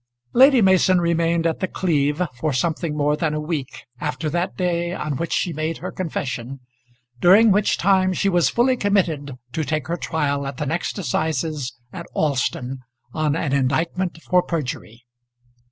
Lady Mason remained at The Cleeve for something more than a week after that day on which she made her confession, during which time she was fully committed to take her trial at the next assizes at Alston on an indictment for perjury.